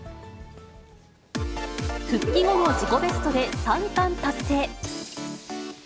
復帰後の自己ベストで３冠達成。